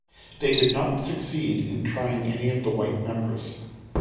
They did not succeed in trying any of the white members.